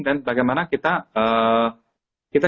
dan bagaimana kita